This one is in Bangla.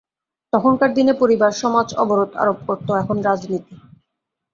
তখনকার দিনে পরিবার সমাজ অবরোধ আরোপ করত, এখন রাজনীতি।